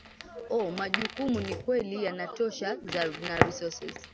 o majukumu ni kweli yanatosha na resources